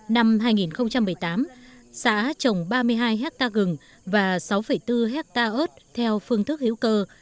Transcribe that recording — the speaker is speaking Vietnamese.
năm hai nghìn một mươi tám xã trồng ba mươi hai hectare gừng và sáu bốn hectare ớt theo phương thức hữu cơ